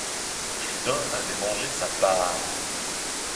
Plus d’un avait mangé sa part.